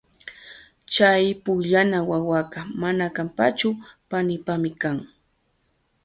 Chay pukllana wawaka mana kanpachu panipami kan.